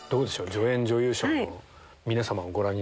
助演女優賞の皆さまをご覧になって。